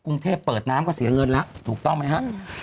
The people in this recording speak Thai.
กรุงเทพเปิดน้ำก็เสียเงินแล้วถูกต้องไหมครับ